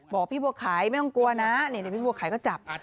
บอกพี่บัวไข่ไม่ต้องกลัวนะเดี๋ยวพี่บัวไข่ก็จับ